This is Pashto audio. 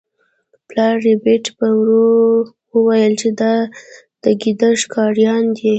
پلار ربیټ په ورو وویل چې دا د ګیدړ ښکاریان دي